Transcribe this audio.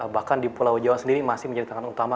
bahkan di pulau jawa sendiri masih menjadi tantangan utama